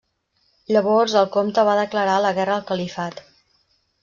Llavors el comte va declarar la guerra al califat.